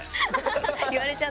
言われちゃった。